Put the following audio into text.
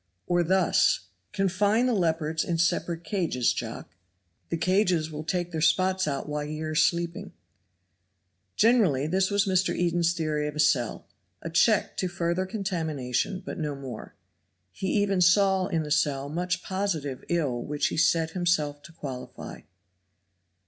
Or thus: "Confine the leopards in separate cages, Jock; the cages will take their spots out while ye're sleeping." Generally this was Mr. Eden's theory of the cell a check to further contamination, but no more. He even saw in the cell much positive ill which he set himself to qualify.